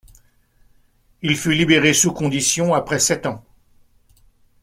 Il fut libéré sous conditions après sept ans.